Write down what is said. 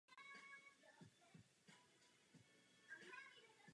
Nachází se v provincii Severní Pohjanmaa.